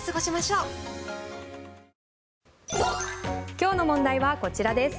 今日の問題はこちらです。